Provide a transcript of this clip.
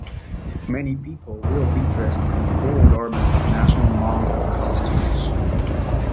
Many people will be dressed in full garment of national Mongol costumes.